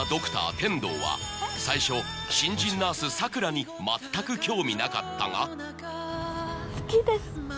天堂は最初新人ナース佐倉に全く興味なかったが好きです